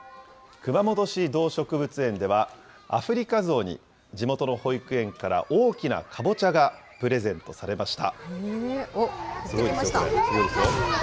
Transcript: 熊本市動植物園では、アフリカゾウに、地元の保育園から大きなかぼちゃがプレゼントされました。